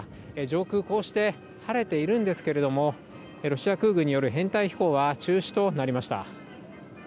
上空はこうして晴れているんですけどもロシア空軍による編隊飛行は中止となりました。